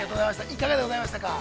いかがでございましたか？